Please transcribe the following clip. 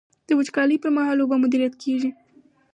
د وچکالۍ پر مهال اوبه مدیریت کیږي.